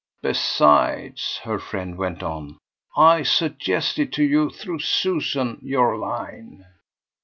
"Besides," her friend went on, "I suggested to you, through Susan, your line."